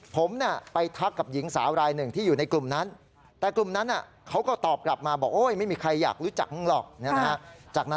ผมไปทักกับหญิงสาวรายหนึ่งที่อยู่ในกลุ่มนั้น